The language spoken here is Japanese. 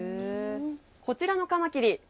こちらのカマキリ